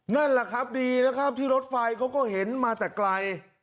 นั่นแหละครับดีนะครับที่รถไฟเขาก็เห็นมาแต่ไกล